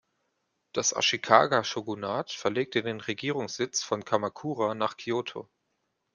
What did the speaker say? Das Ashikaga-Shōgunat verlegte den Regierungssitz von Kamakura nach Kyōto.